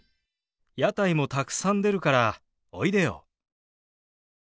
屋台もたくさん出るからおいでよ。